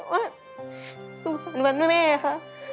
ว่าสุขสรรค์วันแม่ค่ะ